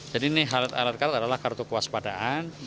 jadi ini health alert card adalah kartu kewaspadaan